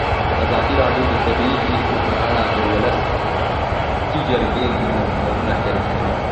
ازادي راډیو د طبیعي پېښې په اړه د ولسي جرګې نظرونه شریک کړي.